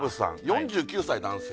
４９歳男性